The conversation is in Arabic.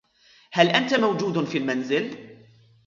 هل أنت موجود في المنزل ؟